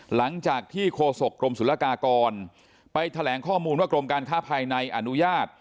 หลังจากที่โฆษกรมศุลกากรไปแถลงข้อมูลว่ากรมการค้าภายในอนุญาต